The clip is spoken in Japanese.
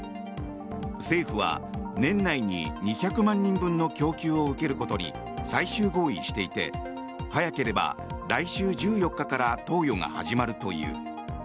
政府は年内に２００万人分の供給を受けることに最終合意していて早ければ来週１４日から投与が始まるという。